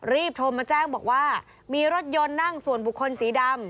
รีบโทรมาแจ้งบอกว่ามีรถยนต์นั่งส่วนบุคคลสีดำ